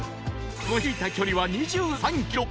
この日歩いた距離は２３ｋｍ。